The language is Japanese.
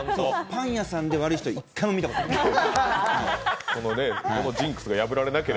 パン屋さんで悪い人、１回も見たことない。